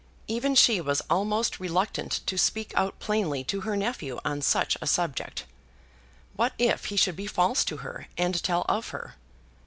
Even she was almost reluctant to speak out plainly to her nephew on such a subject. What if he should be false to her, and tell of her?